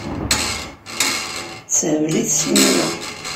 Tessehbel-it ssinima.